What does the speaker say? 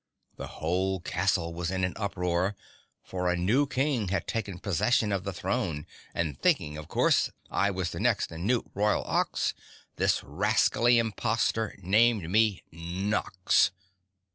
The whole castle was in an uproar, for a new King had taken possession of the throne and thinking, of course, I was the next and new Royal Ox, this rascally imposter named me NOX.